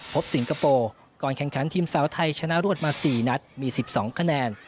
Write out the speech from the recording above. สิงคโปร์ก่อนแข่งขันทีมสาวไทยชนะรวดมา๔นัดมี๑๒คะแนน